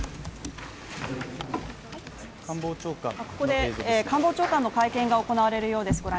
ここで官房長官の会見が行われるようです